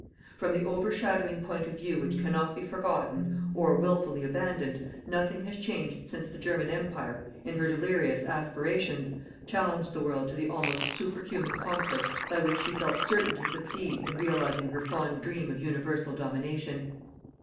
From the overshadowing point of view which cannot be forgotten, or wilfully abandoned, nothing has changed since the German Empire, in her delirious aspirations, challenged the world to the almost superhuman conflict by which she felt certain to succeed in realizing her fond dream of universal domination.